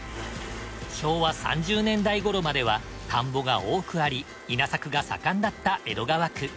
昭和３０年代頃までは田んぼが多くあり稲作が盛んだった江戸川区。